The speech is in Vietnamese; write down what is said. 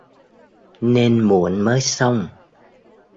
Nên muộn mới xong